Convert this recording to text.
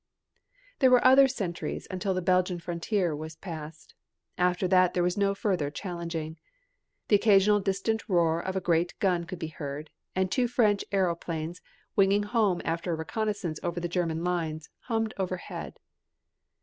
There were other sentries until the Belgian frontier was passed. After that there was no further challenging. The occasional distant roar of a great gun could be heard, and two French aeroplanes, winging home after a reconnaissance over the German lines, hummed overhead.